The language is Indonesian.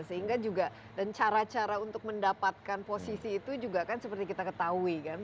sehingga juga dan cara cara untuk mendapatkan posisi itu juga kan seperti kita ketahui kan